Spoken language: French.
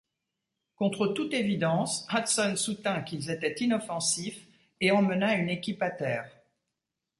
Contre toute évidence, Hudson soutint qu'ils étaient inoffensifs et emmena une équipe à terre.